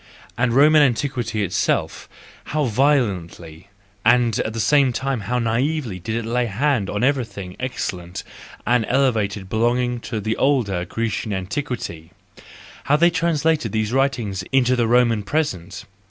And Roman antiquity itself: how violently, and at the same time how naively, did it lay its hand on everything excellent and elevated belonging to the older Grecian antiquity! How they trans¬ lated these writings into the Roman present!